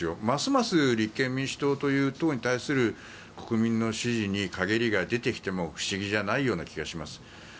ますます立憲民主党という党に対する国民の支持にかげりが出てきても不思議じゃないような気がします。